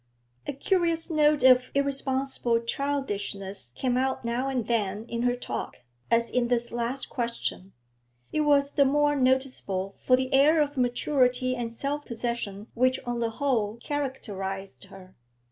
A curious note of irresponsible childishness came out now and then in her talk, as in this last question; it was the more noticeable for the air of maturity and self possession which on the whole characterised her.